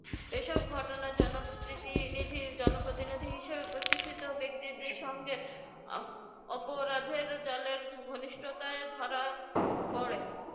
এসব ঘটনায় জনপ্রতিনিধি হিসেবে অধিষ্ঠিত ব্যক্তিদের সঙ্গে অপরাধের জালের ঘনিষ্ঠতাই ধরা পড়ে।